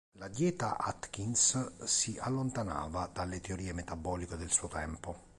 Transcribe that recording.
La dieta Atkins si allontanava dalle teorie metaboliche del suo tempo.